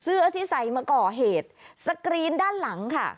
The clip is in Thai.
เสื้อที่ใส่มาก่อเหตุสกรีนด้านหลังค่ะ